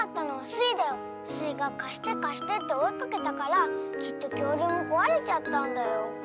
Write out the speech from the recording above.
スイが「かしてかして」っておいかけたからきっときょうりゅうもこわれちゃったんだよ。